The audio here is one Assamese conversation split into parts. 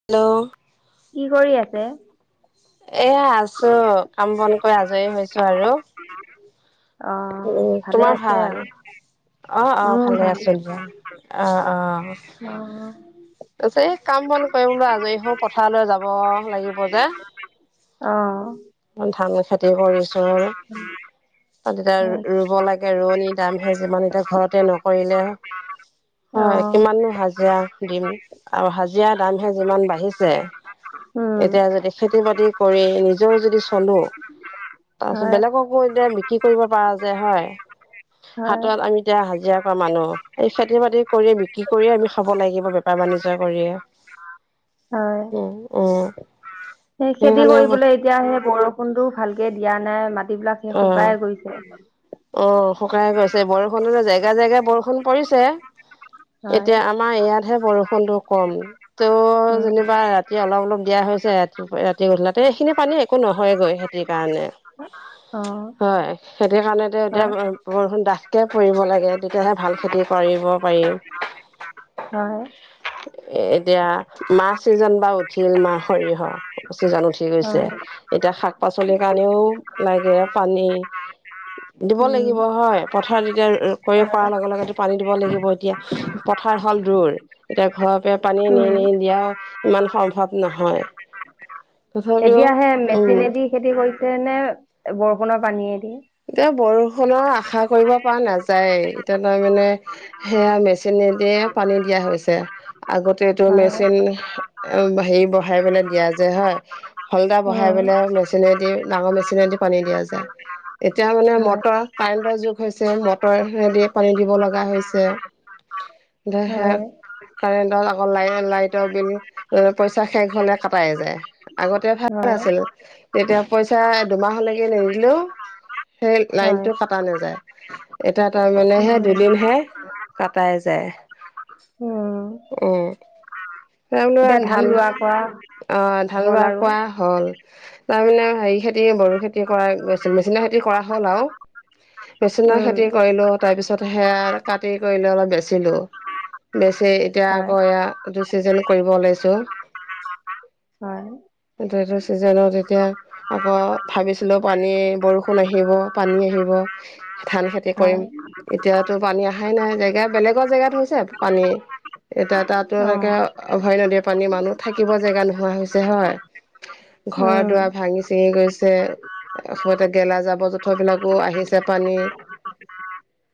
হেল্ল। কি কৰি আছে? এইয়া আছো, কাম বন কৰি আজৰি হৈছো আৰু। অহ ভালে আছে আও? অহ অহ ভালে আছো দিয়া, অঁ অহ অ', ইছ এই কাম-বন কৰি বোলো আজৰি হওঁ, পথাৰলৈ যাব লাগিব যে। অ' অ' অ' মই ধানৰ খেতি কৰিছোঁ [unintelligible] অ' তাতে হয় ৰু-ৰুব লাগে। ৰোৱনী দামহে যিমান, এতিয়া ঘৰতে নকৰিলে হয়, অ', কিমাননো হাজিৰা দিম আৰু হাজিৰা দামহে যিমান বাঢ়িছে। উম, এতিয়া যদি খেতি-বাতি কৰি নিজেও যদি চলো তাৰপিছত হয়, বেলেগকো এতিয়া বিক্ৰী কৰিব পাৰা যায়, হয়? হয়, হাটত আমি এতিয়া হাজিৰা কৰা মানুহ, এই খেতি-বাতি কৰি, বিক্ৰী কৰিয়ে আমি খাব লাগিব। বে বেপাৰ-বাণিজ্য কৰিয়ে, হয়, উ, উ। সেই খেতি কৰিবলৈ এতিয়া সেই বৰষুণটোও ভালকে দিয়া নাই, মাটিবিলাক সেই অ শুকাই গৈছ [unintelligible] অ' শুকাই গৈছে। বৰষুণ [unintelligible] জেগাই জেগাই বৰষুণ পৰিছে। হয়, এতিয়া আমাৰ ইয়াতহে বৰষুণটো কম। ত' উম, যেনিবা ৰাতি অলপ অলপ দিয়া হৈছে ৰাতিপুৱা ৰাতি গধূলাতে। এইখিনি পানী একো নহয়গৈ। সে তি কাৰণে। অ', হয়, খেতি কাৰণে তে এতিয়া হয়, উ বৰষুণ ডাঠকে পৰিব লাগে, তেতিয়াহে ভাল খেতি কৰিব পাৰিম। [inaudible] হয়। এ এতিয়া মাহ চিজন বা উঠিল মাহ সৰিয়হৰ চিজন উঠি গৈছে। হয়, এতিয়া শাক-পাচলিৰ কাৰণেও লাগে পানী। দিব উম, লাগিব হয়, পথাৰত এতিয়া ৰু-ৰু কৰি কৰাৰ হয়, লগে লগেটো পানী দিব লাগিব। এতিয়া পথাৰ হ'ল দূৰ, এতিয়া ঘপে পানী নি উম, নি দিয়াও ইমান সম্ভৱ নহয়। [inaudible] এতিয়া সে উম মেচিনেদি খেতি কৰিছে নে বৰষুণৰ পানীয়েদি? এতিয়া বৰষুণৰ আশা কৰিব পৰা নাযায়। এতিয়া তাৰ মানে সেয়া মেচিনেদিয়ে পানী দিয়া হৈছে। আগতেতো হয়, মেচিন অও হেৰি বহাই পেলাই দিয়া যায়, হয়? হলদা বহাই উম, পেলাই মেচিনেদি ডাঙৰ মেচিনেদি পানী দিয়া যায়। এতিয়া মানে হয়, মটৰ কাৰেণ্টৰ যুগ হৈছে, মটৰেদিয়ে পানী দিব লগা হৈছে। দে হে হয়, কাৰেণ্ট ডাল আকৌ লাই-লাইটৰ বিল পইচা শেষ হ'লে কাটাই যায়। আগতে ভা [unintelligible] হয়, আছিল। তেতিয়া পইচা দুমাহলেকে নিদিলেওঁ সেই হয়, লাইনটো কাটা নাযায়। এটা তাৰ মানে হে উম, দুদিনহে কাটাই যায়। উম, উ নাই বোলো আ এতিয়া ধান, ৰোৱা কৰা অ' ধান হ'ল ৰোৱা আৰু কোৱা হ'ল। তাৰমানে হেৰি খেতি বড়ো খেত তি কৰাই গৈছিল। মেচিনৰ খেতি কৰা হ'ল আও মেচিনৰ উম, খেতি কৰিলোঁ তাৰপিছত সেয়া কাটি কৰিলো, অলপ বেচিলোঁ। বেচি এতিয়া হয়, আকৌ এয়া এইটো চিজেন কৰিব ওলাইছোঁ। হয়। এইটো, এইটো চিজনত এতিয়া আকৌ ভাবিছিলোঁ পানী বৰষুণ আহিব, পানী আহিব। ধান খেতি কৰিম। হয়, এতিয়াতো পানী আহাই নাই। জেগা বেলেগৰ জেগাত হৈছে পানী। এতিয়া তাততো এনেকে অ', অভয় নদীৰ পানী মানুহ থাকিব জেগা নোহোৱা হৈছে হয়। ঘৰ উম, দুৱাৰ ভাঙি চিঙি গৈছে। সমতে গেলা জাবৰ জোঁথৰবিলাকো আহিছে পানী।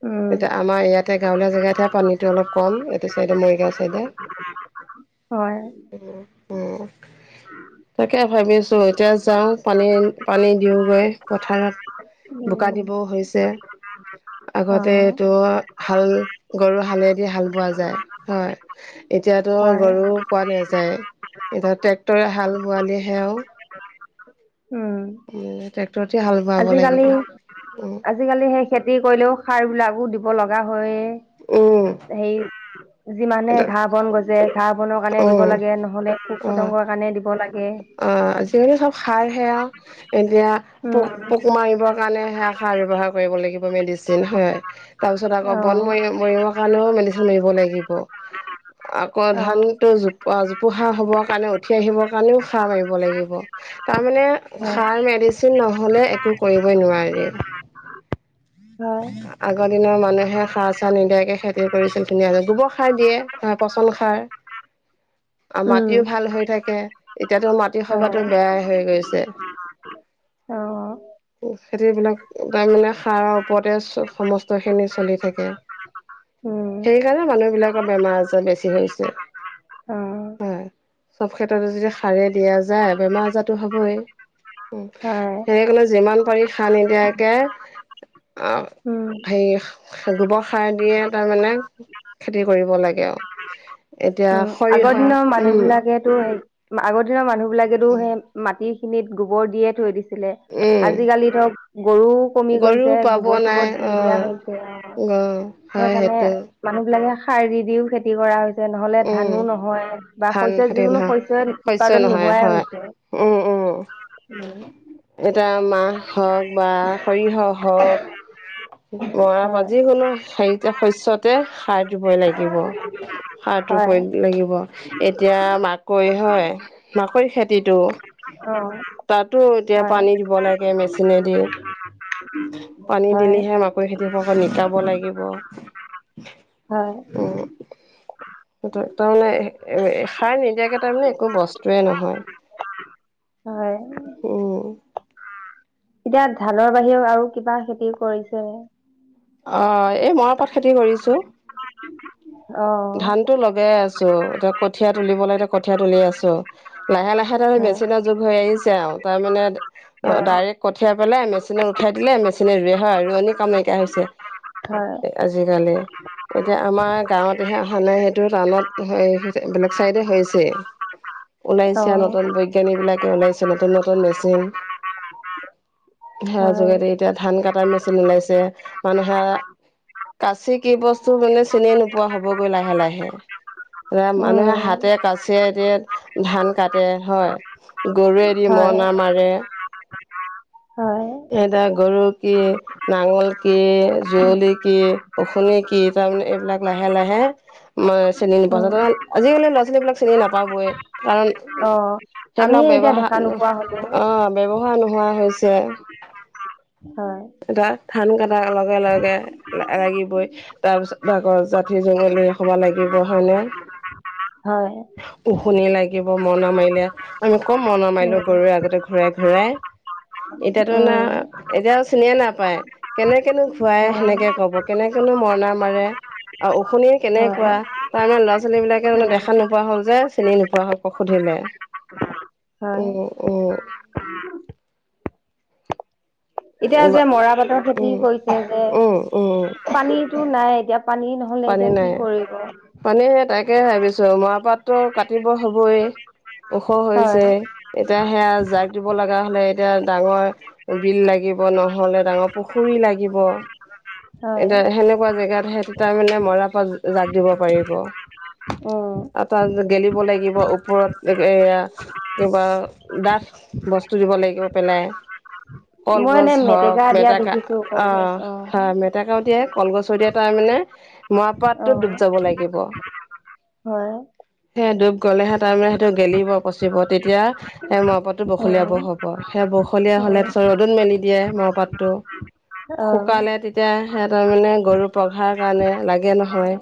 উম, এতিয়া আমাৰ ইয়াতে গাঁৱলীয়া জেগাতহে পানীটো অলপ কম এইটো চাইডে মৰিগাঁও চাইদে। [unintelligible] হয় উম উম তাকে ভাবিছো এতিয়া যাওঁ পানী পানী দিওগৈ। পথাৰত বোকা উম, দিবও হৈছে। আগতে অ', এইটো হাল গৰু হালেদি হাল বোৱা যায় হয়। এতিয়াতো হয়, গৰু পোৱা নাযায় এতিয়া ট্ৰেক্টৰে হাল বোৱালি সেও উম উম ট্ৰেক্টতে হাল বোৱাব আজিকালি লাগিব। উম আজিকালি সেই খেতি কৰিলেও সাৰ বিলাকো দিব লগা হয়ে। উম সেই উম্ যিমানে এতিয়া ঘাঁহ বন গজে ঘাঁহ বনৰ কাৰণে দিব উম লাগে নহলে পোক পতংগৰ কাৰণে দিব লাগে। অঁ আজিকালি চব সাৰ সেৱা এতিয়া উম, পোক পোক মাৰিব কাণে সে সাৰ ব্যৱহাৰ কৰিব লাগিব মেডিচিন হয় তাৰপিছত আকৌ বন অ', মই মৰিব। কাণও মেডিচেন মাৰিব লাগিব। আকৌ অ', ধানটো জোপ আ জোপোহা হ'ব কাৰণে উঠি আহিব। কাণেও খাহ মাৰিব লাগিব। তামানে হয়, খাৰ মেডিচিন নহলে একো কৰিবই নোৱাৰি। হয়। আগৰ দিনৰ মানুহে সা চা নিদিয়াকে খেতি কৰিছিল ধুনীয়াকে গোব খাৰ দিয়ে আ পচন খাৰ। [unintelligible] আ উম, মাটিও ভাল হৈ থাকে এতিয়াতো মাটি সবাতো বেয়াই হৈ গৈছে। অঁ! উফ খেতিবিলাক বাইমানে সাৰ আও। পতে চ সমস্ত খিনি চলি থাকে। উম, সেইকাণে মানুহবিলাকৰ বেমাৰ আজাৰ বেছি হৈছে। অঁ! অঁ চব ক্ষেত্ৰতে যদি সাৰে দিয়া যায় বেমাৰ আজাতো হবই। উম হয় সেইকাৰণে যিমান পাৰি সাৰ নিদিয়াকে উম আহ হেই গোব সাৰ দিয়ে তামানে। খেতি কৰিব লাগে আও। আগ দিন মানুহ উম বিলাকেতো সেই মা আগৰ দিনৰ মানুহ বিলাকেতো সে মাটি খিনিত গোবৰ দিয়ে থৈ দিছে লে উম আজিকালি ধৰক গৰুক কমি গৰু গৈছে পাব গোব চোব নাই অ নিদিয়া হৈছে অঁ অ হয় সেইকাণে সেইটো মানুহ বিলাকে সাৰ দি দিও খেতি কৰা হৈছে নহ'লে উম ধানো নহয় বা শস্য ধান খেতি যিকোনো নহয় শস্যই শস্য উৎপাদন নহয় নোহোৱাই হয় হৈছে। উম! উম! উম! এটা মাহ হওক বা সৰিহ হওক। মৰা পা হয় যিকোনো হাৰিতে শস্যতে সাৰ দিবই লাগিব। সাৰটোৰ হয় [unintelligible] লাগিব, এতিয়া মাকৈ হয়, মাকৈ খেতিটো অঁ। তাতো এতিয়া পানী দিব লায়। গে মেচিনেদি। পানী হয় দিলেহে মাকৈ খেতি হ'ব, নিকাব লাগিব। হয়। [unintelligible] [unintelligible] তাৰমানে [unintelligible] খাৰ নিদিয়াকে তাৰমানে একো বস্তুৱে নহয়। হয় উম', এতিয়া ধানৰ বাহিৰেও আৰু কিবা খেতি কৰিছেনে? অঁ', এ মৱাপাত খেতি কৰিছোঁ। [unintelligible] অ ধানতো লগাই আছোঁ। এতিয়া কঠীয়া তুলিব লাগে, কঠিয়া তুলিয়ে আছোঁ। লাহে, লাহে তাৰমানে হয় মেচিন যুগ হৈ আহিছে আও তাৰমানে ত অঁ, হয়, ডাইৰেক্ট কঠীয়া পেলাই মেচিনত উঠাই দিলে, মেচিনে ৰুৱে হয়, ৰুৱনি কাম নাইকিয়া হৈছে। হয়, এ আজিকালি, এতিয়া আমাৰ গাঁৱত সানাই সেইটো টানত হয় [unintelligible] বেলেগ চাইডে হৈছে। ওলাইছে আ অ', নতুন বৈজ্ঞানীবিলাকে ওলাইছে নতুন নতুন মেচিন। সোয়াৰ হয়, যোগেদি এতিয়া ধান কাটাৰ মেচিন ওলাইছে। মানুহে কাচি কি বস্তু, মানে চিনি নোপোৱা হ'বগৈ লাহে লাহে প্ৰায় মানুহে উম, হাতে, কাচিয়ে এতিয়া ধান কাটে, হয়। গৰুৱেদি হয়, মৰণা মাৰে। হয়। এদা গৰু, কি নাঙল কি, যুৱলি কি, অশোণি কি তাৰমানে এইবিলাক লাহে লাহে ম চেনী নপোৱা উম, যা [unintelligible] আজিকালি ল'ৰা-ছোৱালী বিলাক চিনি নাপাবযই কাৰণ অ', আমিয়ে সেইবিলাক এতিয়া ব্যবহা দেখা নোপোৱা হ'লো, নহ অ ব্যৱহাৰ নোহোৱা হৈছে। হয়, এটা ধান কাটা লগে লগে লা লাগিবই। তাৰ পিছত আগৰ জাঠি, জঙলি, সবা লাগিব হয় নে? হয়। উশুনি লাগিব মঅণা মাৰিলে, আমি কম মঅণা মাৰিলোঁ উম, গৰুৱে, আগতে ঘূৰাই -ঘূৰাই। এতিয়াতো না উম, আ এতিয়াছ চিনিয়ে নাপায়, কেনেকেনো ঘুৱাই হয়, সেনেকে কব, কেনেকেনো মঅণা মাৰে। আউ ঔশুনি, হয়, কেনেকুৱা। তাৰমানে ল'ৰা-ছোৱালীবিলাকে মানে উম, দেখা নোপোৱা হ'ল যে, চিনি নোপোৱা হ'ল, প সুধিলে। হয়, [unintelligible] [unintelligible] এতিয়া উম যে মৰা পাটৰ খেতি উম কৰিছে যে, উম উম পানীতো নাই এতিয়া, পানী ন পানী নাই। পানী, সেই তাকে ভাবিছোঁ, মৰাপাটতো কাটিব হ'ব এ। ওখ হয়, হৈছেই এতিয়া, সেয়া জাগ দিব লাগা হ'লে এতিয়া ডাঙৰ বিল লাগিব, নহ'লে ডাঙৰ পুখুৰী লাগিব। হয়, এতিয়া সেনেকুৱা জেগাতহে তেতাই মানে মৰাপাট জাগ দিব পাৰিব। উম, আ', তাত গেলিব লাগিব ওপৰত এগ এয়া। কিবা ডাঠ বস্তু দিব লাগিব পেলাই। মই কলগছ এনে হওক, দিয়া মেটেকা। দেখিছো কলগছ, অ', হা মেট মেটেকা [unintelligible] কলগছ দিয়ে তাৰমানে মৰাাপাটটো অ', ডুব যাব লাগিব। হয়। সে ডুব গ'লেহে তাৰমানে সেইটো গেলিব, পচিব, তেতিয়া সেই মৰপাতটো উম, বখলিয়াবৰ হ'ব, সেই বখলীয়া উম, হ'লে তাৰপিছত ৰ'দত মেলি দিয়ে মৰপাতটো। অ', শুকালে, তেতিয়া সিহঁতৰ মানে, গৰু পঘাৰ কাৰণে লাগে নহয়।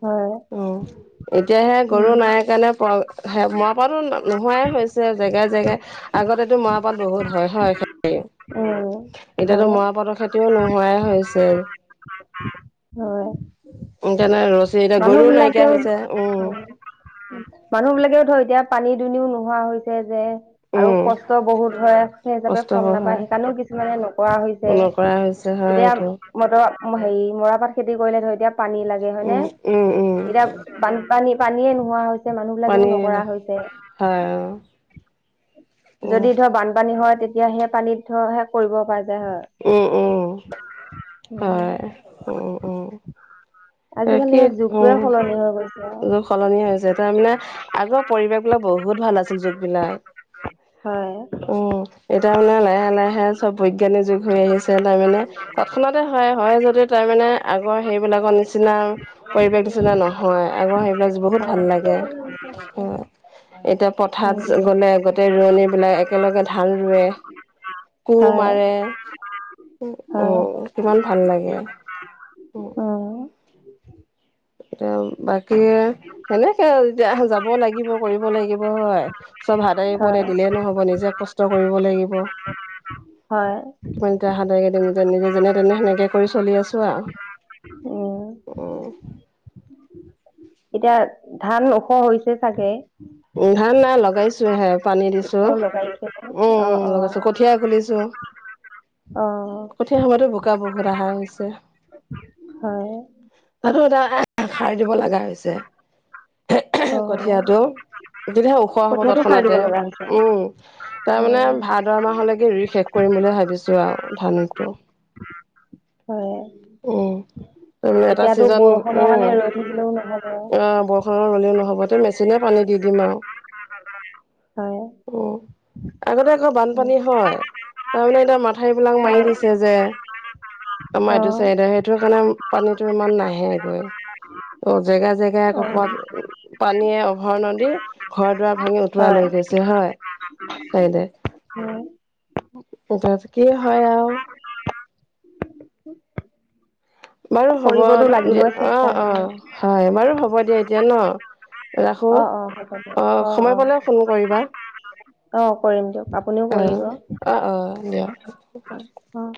হয়। অ', এতিয়াহে গৰু উম, নাই কাৰণে প-মৰা পাতো নোহোৱাই হৈছে, জেগা জেগা। আগতেটো মৰাপাট বহুত হয়, হয় খেতি, উম, এতিয়াতো হয়, মৰাপাতৰ খেতিও নো হোৱাই হৈছে। হয়। উম যেনে ৰছী, এতিয়া গৰুও নাইকিয়া হৈছে। উম। মানুহ বিলাকেও ধৰ এতিয়া পানী দুনিও নোহোৱা হৈছে যে। আৰু উম। কষ্ট বহুত হয় সেই হিচাপে ফল কষ্টকৰ হয় নাপায়, সেইকাৰণেও কিছুমানে নকৰা হৈছে। পুনৰ কৰা হৈছে, হয় এইটো। মট হেৰি মৰাপাট খেতি কৰিলে ধৰি এতিয়া পানী লাগে হয় নে? উম, উম, উম। এতিয়াান বানপানী, পানীয়ে নোহোৱা হৈছে মানুহ বিলাকেও পানী নকৰা হৈছে। হয়, উম। যদি ধৰ বানপানী হয় তেতিয়া সেই পানীত ধৰ হে কৰিব পাই যায় হয়। উম-উম। [inaudible] হয়, উম-উম, আজিকালি তাকে সেই যুগটোৱে সলনি হৈ গৈছে উম। আৰু [unintelligible] সলনি হৈছে তাৰমানে, আগৰ পৰিৱেশ বিলাক বহুত ভাল আছিল, যুগ বিলাক। হয়। উম, এতিয়া মানে লাহে-লাহে চব বৈজ্ঞানিক যুগ হৈ আহিছে তাৰমানে। তৎক্ষণতে হয়, হয় যদিও তাৰমানে আগৰ সেইবিলাকৰ নিচিনা পৰিৱেশ নিচনা নহয়, আগৰ সেই বিলাক বহুত হয় ভাল লাগে। অ', এতিয়া উম পথাৰত গ'লে গোটেই ৰোৱনী বিলাক একেলগে ধান ৰুৱে কোৰ হয় মাৰে, হয় অ', কিমান ভাল লাগে। উম এতিয়া বাকী, সেনেকে আৰু এতিয়া যাব লাগিব, কৰিব লাগিব, অ' আই। চব হাতে এৰি হয় পৰে দিলেই নহ'ব, নিজে কষ্ট কৰিব লাগিব। হয়। কিমান এতিয়া হেদেক, এতিয়া নিজে, নিজে যেনে-তেনে সেনেকে কৰি চলি আছোঁ‌ আৰু। উম উম। এতিয়া ধান ওখ হৈছে চাগে? উম, ধান নাই লগাইছোঁ‌হে আও, পানী দিছোঁ‌, অ লগাইছে উম অ উম অ লগাইছোঁ‌, কঠিয়া খুলিছো। অ'। সেই সময়তো বোকা বহুত আহা হৈছে। হয়। তাতো এটা সাৰ দিব লাগা হৈছে। অ কঠিয়াটো, তেতিয়াহে ওখ হব কঠীয়াটো সাৰ দিব তৎক্ষণাতে, লগা হৈছে উম। তাৰ অ মানে ভাদ মাহলৈকে ৰুই শেষ কৰিম বুলি ভাবিছোঁ‌ আৰু ধানটো। [inaudible] হয়, উম। তাৰমানে এটা এতিয়াতো ছিজন বৰষুণৰ উম কাৰণে ৰৈ থাকিলেও নহ'ব। অ', বৰষুণলে ল'লেও নহ'ব, তে মেচিনে পানী দি দিম আৰু। [unintelligible] হয়। উম আগতে আকৌ উম বানপানী হয়, তাৰমানে এতিয়া মাথাউৰি বিলাক মাৰি হয় দিছে যে। আমাৰ অ এইটো চাইদে, সেইটোৰ কাৰণে পানীটো ইমান নাহে গৈ। [unintelligible] জেগা জেগাই অ আকৌ কবাত পানীয়ে উভয় নদী ঘৰ-দুৱাৰ ভাঙি উতোৱা হয় লৈ গৈছে। হয় উম [unintelligible] কি হয় আৰু। বাৰু হ'ব কৰিবতো দিয় লাগিবই অ চেষ্টা অ হয়, বাৰু হ'ব দিয়া এতিয়া ন। ৰাখো, অ অ অ সময় পালে ফোন কৰিবা। অ কৰিম দিয়ক আপুনিও অ কৰিব। অ অ দিয়া। অ